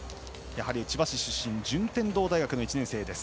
千葉市出身順天堂大学の１年生です。